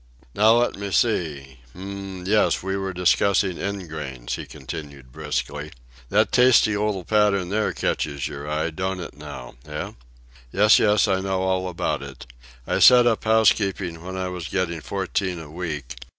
"Now let me see hum, yes, we was discussing ingrains," he continued briskly. "That tasty little pattern there catches your eye, don't it now, eh? Yes, yes, I know all about it. I set up housekeeping when I was getting fourteen a week.